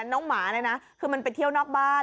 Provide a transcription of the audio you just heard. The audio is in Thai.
หมาเนี่ยนะคือมันไปเที่ยวนอกบ้าน